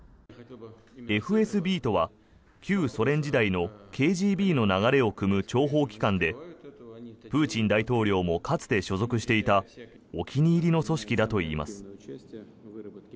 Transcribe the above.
ＦＳＢとは旧ソ連時代のＫＧＢの流れをくむ諜報機関でプーチン大統領もかつて所属していたお気に入りの組織だといいます。